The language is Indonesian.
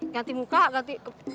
ganti muka ganti